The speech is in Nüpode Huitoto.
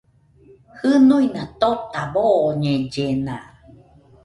Jɨnuina tota boñellena.